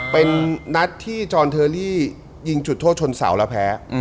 เป็นนัดที่จอนเทอรี่ยิงจุดโทษชนเสาแล้วแพ้